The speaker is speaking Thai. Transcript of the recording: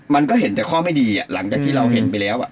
มันก็เห็นแต่ข้อไม่ดีหลังจากที่เราเห็นไปแล้ว